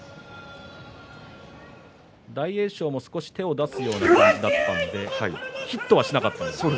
大栄翔も少し手を出すような感じだったのでヒットはしなかったですね。